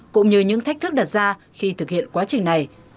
cũng như những thách thức đặt ra khi thực hiện quá trình này